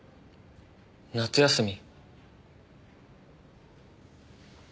夏休み。